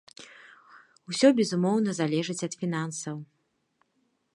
Усё, безумоўна, залежыць ад фінансаў.